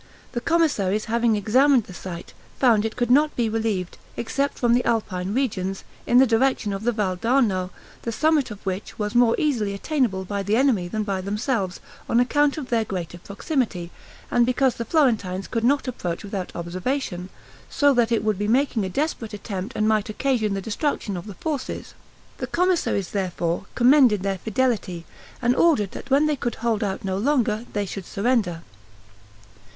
The commissaries having examined the site, found it could not be relieved, except from the Alpine regions, in the direction of the Val d'Arno, the summit of which was more easily attainable by the enemy than by themselves, on account of their greater proximity, and because the Florentines could not approach without observation; so that it would be making a desperate attempt, and might occasion the destruction of the forces. The commissaries, therefore, commended their fidelity, and ordered that when they could hold out no longer, they should surrender.